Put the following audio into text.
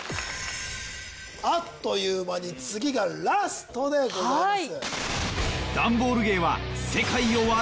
あっという間に次がラストでございます。